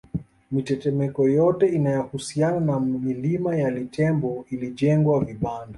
Mitetemeko yote inayohusiana na milima ya Litembo ilijengwa vibanda